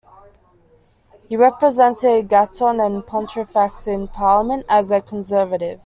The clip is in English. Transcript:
He represented Gatton and Pontefract in Parliament as a Conservative.